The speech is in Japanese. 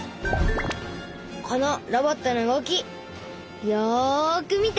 このロボットの動きよく見て。